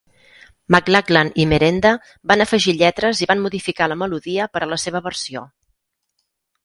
McLachlan i Merenda van afegir lletres i van modificar la melodia per a la seva versió.